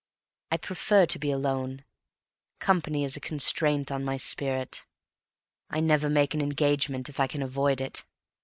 I prefer to be alone. Company is a constraint on my spirit. I never make an engagement if I can avoid it.